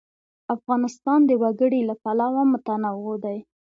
افغانستان د وګړي له پلوه متنوع دی.